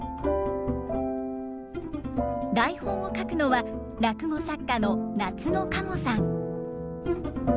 台本を書くのは落語作家のナツノカモさん。